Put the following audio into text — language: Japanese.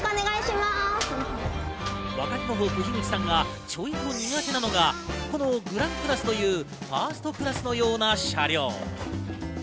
若手のホープ・樋口さんがちょいと苦手なのがこのグランクラスというファーストクラスのような車両。